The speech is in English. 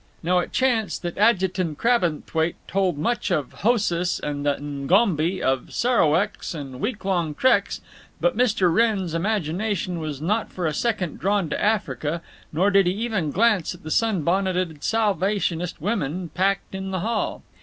Now it chanced that Adjutant Crabbenthwaite told much of Houssas and the N'Gombi, of saraweks and week long treks, but Mr. Wrenn's imagination was not for a second drawn to Africa, nor did he even glance at the sun bonneted Salvationist women packed in the hall.